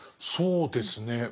そうですね。